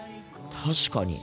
確かに。